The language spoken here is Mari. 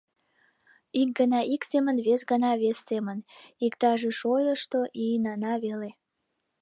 Ик гана ик семын, вес гана вес семын, иктаже шойышто — инана веле...